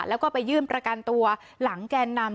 แล้วก็ไปยื่นประกันตัวหลังแกนนำ